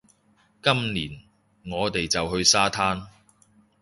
今年，我哋就去沙灘